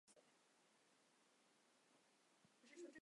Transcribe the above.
阿尔让河畔罗科布吕讷。